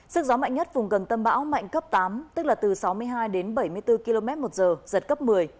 sức gió mạnh nhất vùng gần tâm bão mạnh cấp tám tức là từ sáu mươi hai đến bảy mươi bốn km một giờ giật cấp một mươi